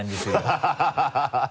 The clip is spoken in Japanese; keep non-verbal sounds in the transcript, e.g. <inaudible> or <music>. ハハハ <laughs>